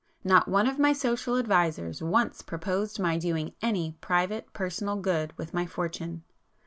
Not one of my social advisers once proposed my doing any private personal good with my fortune.